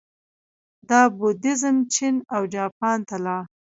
دا بودیزم چین او جاپان ته لاړ